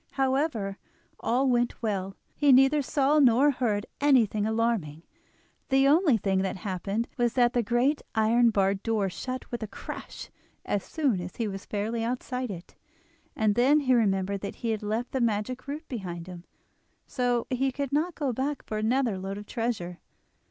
However, all went well—he neither saw nor heard anything alarming; the only thing that happened was that the great iron barred door shut with a crash as soon as he was fairly outside it, and then he remembered that he had left the magic root behind him, so he could not go back for another load of treasure.